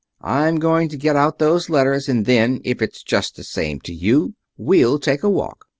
I'm going to get out those letters, and then, if it's just the same to you, we'll take a walk.